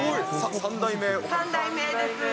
３代目です。